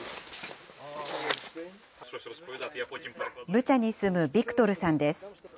ブチャに住むビクトルさんです。